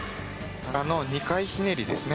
２回ひねりですね。